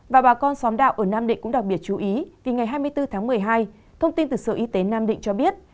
và bà con xóm đạo ở nam định cũng đặc biệt chú ý vì ngày hai mươi bốn tháng một mươi hai thông tin từ sở y tế nam định cho biết